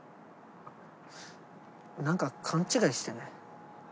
何か勘違いしてねえ？